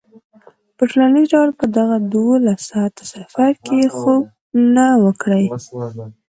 په ټولیز ډول په دغه دولس ساعته سفر کې خوب نه و کړی.